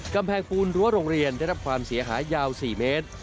กำแพงปูนรั้วโรงเรียนได้รับความเสียหายยาว๔เมตร